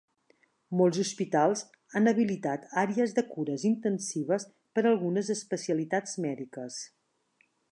Molts hospitals han habilitat àrees de cures intensives per algunes especialitats mèdiques.